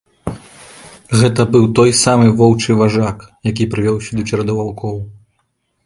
Гэта быў той самы воўчы важак, які прывёў сюды чараду ваўкоў.